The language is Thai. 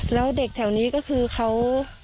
แล้วเด็กแถวนี้ก็คือเขา